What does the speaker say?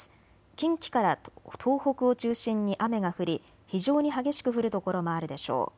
近畿から東北を中心に雨が降り非常に激しく降る所もあるでしょう。